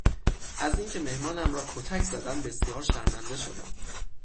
از این که مهمانم را کتک زدند بسیار شرمنده شدم.